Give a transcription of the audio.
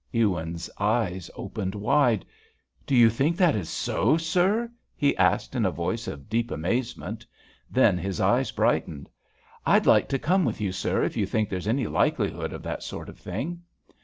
Ewins's eyes opened wide. "Do you think that is so, sir?" he asked in a voice of deep amazement. Then his eyes brightened. "I'd like to come with you, sir, if you think there's any likelihood of that sort of thing."